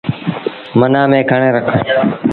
منآن ميٚڻن کڻي رک۔